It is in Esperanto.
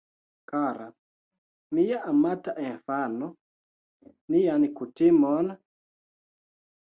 Kara, mia amata infano, nian kutimon...